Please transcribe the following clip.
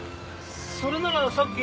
それならさっき。